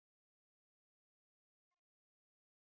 آیا ایرانیان ښه سوداګر نه دي؟